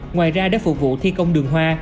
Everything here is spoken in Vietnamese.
ngoài ra để phục vụ thi công đường hoa